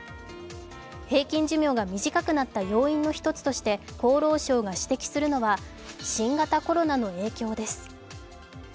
平均寿命が短くなった要因の１つとして厚労省が指摘するのは新型コロナの影響です。